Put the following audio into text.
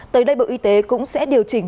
tới đây bộ y tế cũng sẽ điều chỉnh